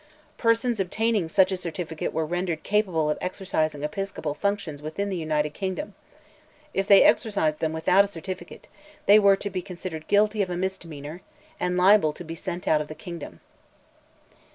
Persons obtaining such a certificate were rendered capable of exercising episcopal functions within the United Kingdom; if they exercised them without a certificate, they were to be considered guilty of a misdemeanor, and liable to be sent out of the kingdom.